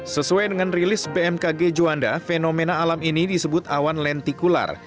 sesuai dengan rilis bmkg juanda fenomena alam ini disebut awan lentikular